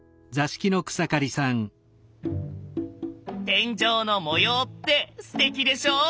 天井の模様ってすてきでしょ。